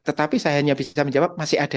tetapi saya hanya bisa menjawab masih ada